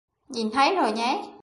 Nhìn thấy rồi nhé